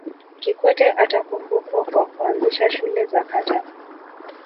kikwete atakumbukwa kwa kuanzisha shule za kata